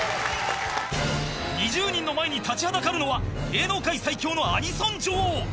［２０人の前に立ちはだかるのは芸能界最強のアニソン女王］